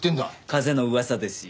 風の噂ですよ。